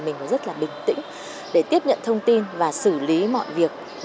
mình cũng rất là bình tĩnh để tiếp nhận thông tin và xử lý mọi việc